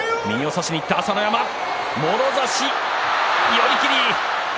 寄り切り。